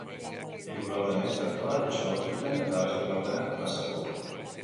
Hiru laurdenek txertoa jaso zuten, eta beste laurdenak plazeboa.